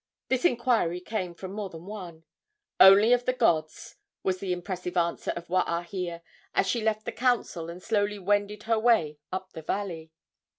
This inquiry came from more than one. "Only of the gods!" was the impressive answer of Waahia, as she left the council and slowly wended her way up the valley.